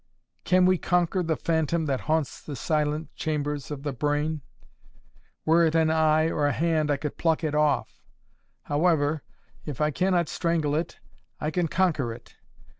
"Can we conquer the phantom that haunts the silent chambers of the brain? Were it an eye, or a hand, I could pluck it off. However, if I cannot strangle it, I can conquer it!